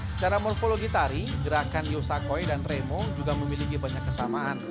secara morfologi tari gerakan yosakoi dan remo juga memiliki banyak kesamaan